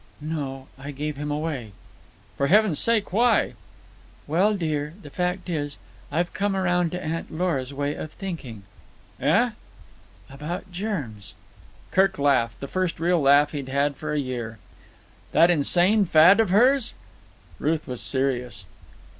"No. I gave him away." "For Heaven's sake! Why?" "Well, dear, the fact is, I've come around to Aunt Lora's way of thinking." "Eh?" "About germs." Kirk laughed, the first real laugh he had had for a year. "That insane fad of hers!" Ruth was serious.